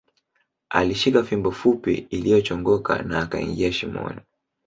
Alishika fimbo fupi iliyochongoka na akaingia shimoni